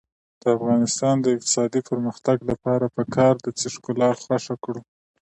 د افغانستان د اقتصادي پرمختګ لپاره پکار ده چې ښکلا خوښه کړو.